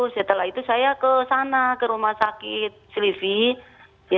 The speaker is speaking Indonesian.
setelah itu saya ke sana ke rumah sakit slee